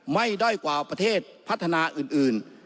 ด้อยกว่าประเทศพัฒนาอื่น